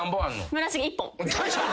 村重１本。